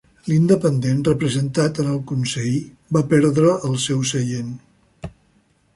L'independent representat en el consell va perdre el seu seient.